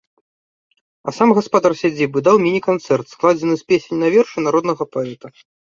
А сам гаспадар сядзібы даў міні-канцэрт, складзены з песень на вершы народнага паэта.